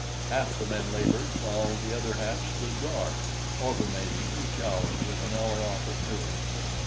Half the men labored while the other half stood guard, alternating each hour with an hour off at noon.